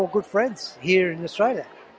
mestinya makanan adalah hal yang saya suka